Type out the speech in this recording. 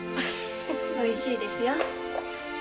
おいしいですよ。